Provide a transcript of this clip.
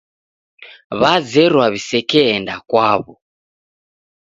Wazerwa w'isekeenda kwaw'o.